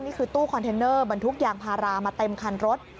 ตู้คอนเทนเนอร์บรรทุกยางพารามาเต็มคันรถ